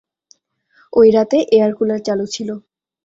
ঐ রাতে air cooler চালু ছিল।